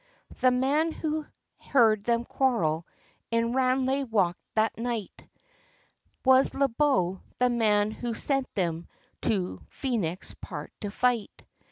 The man, who heard them quarrel, in Ranelagh walk that night, Was Le Beau, the man who sent them to Phoenix Park to fight.